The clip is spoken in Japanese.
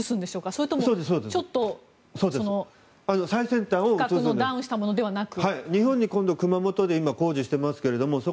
それとも、ちょっと規格のダウンしたものではなく？